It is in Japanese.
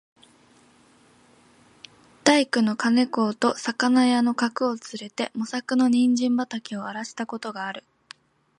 大工の兼公と肴屋の角をつれて、茂作の人参畠をあらした事がある。